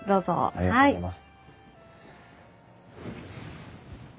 ありがとうございます。